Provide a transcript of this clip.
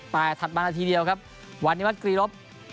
ไปถัดมานาทีเดียวครับวันนิมัติกรีย์ลบ